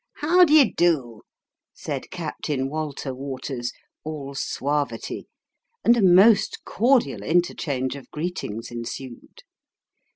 " How d'ye do ?" said Captain Walter Waters, all suavity ; and a most cordial interchange of greetings ensued.